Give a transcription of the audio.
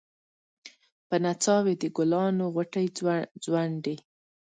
په نڅا وې د ګلانو غوټۍ ځونډي